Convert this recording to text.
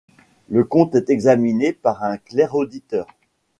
Le compte est examiné par un clerc-auditeur.